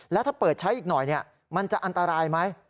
แล้วถ้าเปิดใช้อีกหน่อยมันจะอันตรายไหม